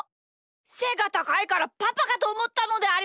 せがたかいからパパかとおもったのであります！